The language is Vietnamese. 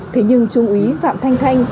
thế nhưng trung úy phạm thanh thanh